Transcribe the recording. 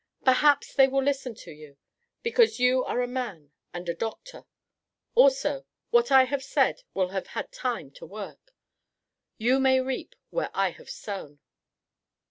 Perhaps they will listen to you, because you are a man and a doctor. Also, what I have said will have had time to work. You may reap where I have sown."